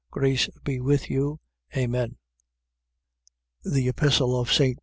Grace be with you. Amen. THE EPISTLE OF ST.